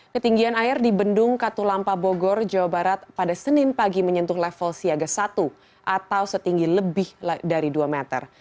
ketinggian air di bendung katulampa bogor jawa barat pada senin pagi menyentuh level siaga satu atau setinggi lebih dari dua meter